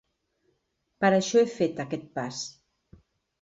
Per això he fet aquest pas.